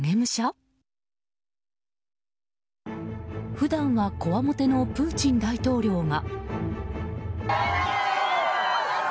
普段はこわもてのプーチン大統領が。